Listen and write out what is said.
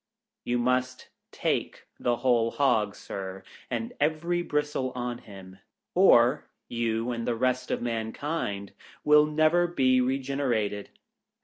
You must take the Whole Hog, Sir, and every bristle on him, or you and the rest of mankind will never be regenerated.